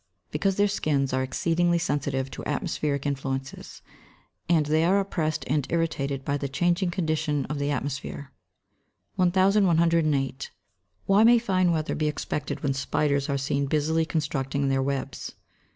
_ Because their skins are exceedingly sensitive to atmospheric influences, and they are oppressed and irritated by the changing condition of the atmosphere. 1108. _Why may fine weather be expected when spiders are seen busily constructing their webs?